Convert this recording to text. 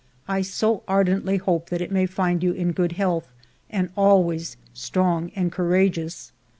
I so ardently hope that it may find you in good health and always strong and courageous.